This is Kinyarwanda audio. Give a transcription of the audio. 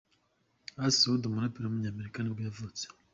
Ace Hood, umuraperi w’umunyamerika nibwo yavutse.